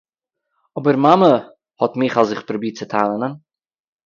אָבער מאַמע האָט מיכל זיך פּרובירט צו טענה'ן